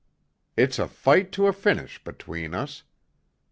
It's a fight to a finish between us.